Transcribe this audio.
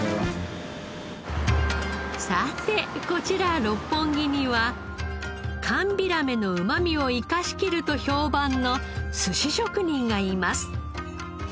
さてこちら六本木には寒ビラメのうまみを生かし切ると評判の寿司職人がいます。